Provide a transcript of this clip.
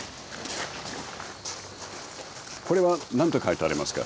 これは何と書いてありますか？